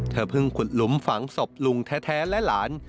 เพิ่งขุดหลุมฝังศพลุงแท้และหลาน